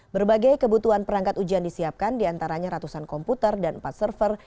berbagai kebutuhan perangkat ujian disiapkan diantaranya ratusan komputer dan empat server